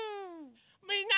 みんな。